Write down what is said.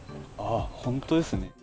あっ、本当ですね。